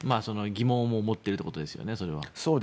疑問を持っているということですよね。